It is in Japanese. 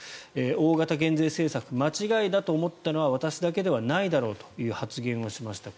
大型減税政策間違いだと思ったのは私だけではないだろうという発言をしました。